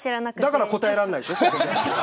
だから答えられないでしょ。